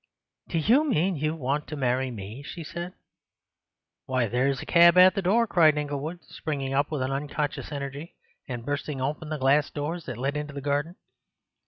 "Do you mean you want to marry me?" she said. "Why, there's a cab at the door!" cried Inglewood, springing up with an unconscious energy and bursting open the glass doors that led into the garden.